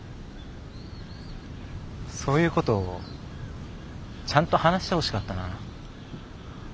そういうことちゃんと話してほしかったな。